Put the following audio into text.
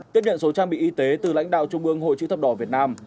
tiếp nhận số trang bị y tế từ lãnh đạo trung ương hội chữ thập đỏ việt nam